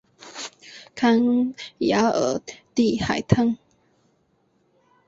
康雅尔蒂海滩。